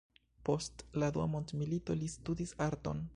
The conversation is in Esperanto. Post la dua mondmilito li studis arton.